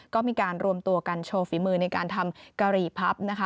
ก็มีการรวมตัวกันโชว์ฝีมือในการทำกะหรี่พับนะคะ